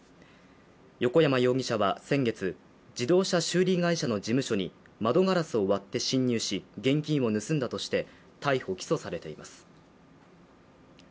横山容疑者は先月、自動車修理会社の事務所に窓ガラスを割って侵入し現金を盗んだとして逮捕・起訴されています。